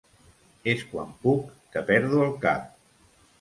És quan puc que perdo el cap.